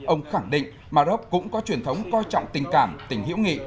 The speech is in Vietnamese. ông khẳng định maroc cũng có truyền thống coi trọng tình cảm tình hiểu nghị